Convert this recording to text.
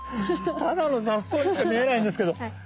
ただの雑草にしか見えないんですけど。